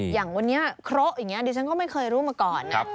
อย่างวันนี้เคราะห์อย่างนี้ดิฉันก็ไม่เคยรู้มาก่อนนะ